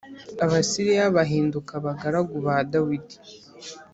Abasiriya bahinduka abagaragu ba dawidi